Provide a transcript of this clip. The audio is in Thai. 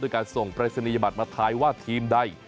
การส่งปรายศนียบัตรมาทายว่าทีมใด